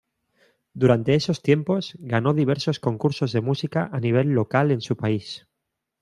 Durante esos tiempos ganó diversos concursos de música a nivel local en su país.